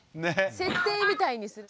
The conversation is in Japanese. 設定みたいにする。